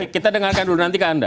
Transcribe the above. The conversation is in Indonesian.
kita dengarkan dulu nanti ke anda